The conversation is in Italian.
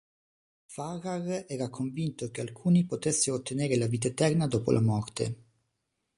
Farrar era convinto che alcuni potessero ottenere la vita eterna dopo la morte.